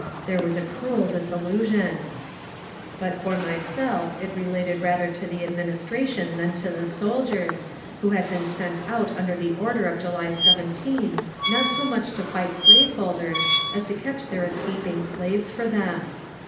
There was a cruel disillusion, but for myself it related rather to the administration than to the soldiers, who had been sent out under the order of July 17 not so much to fight slaveholders as to catch their escaping slaves for them.